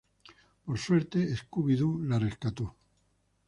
Por suerte, Scooby-Doo la rescató.